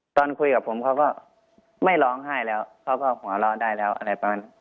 ตอนคุยกับผมเขาก็ไม่ร้องไห้แล้วเขาก็หัวเราะได้แล้วอะไรประมาณ